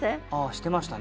してましたね。